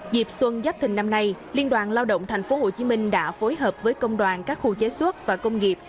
dịp xuân giáp thình năm nay liên đoàn lao động tp hcm đã phối hợp với công đoàn các khu chế xuất và công nghiệp